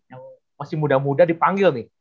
yang masih muda muda dipanggil nih